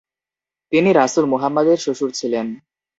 তিনি রাসুল মুহাম্মাদের শ্বশুর ছিলেন।